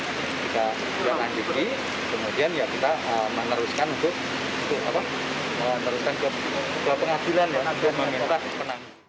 kita menikah lagi kemudian ya kita meneruskan untuk apa meneruskan ke pengadilan ya untuk meminta penangguh